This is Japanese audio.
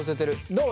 どう？